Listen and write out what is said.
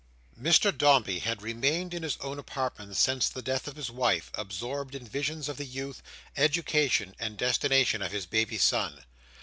Mr Dombey had remained in his own apartment since the death of his wife, absorbed in visions of the youth, education, and destination of his baby son.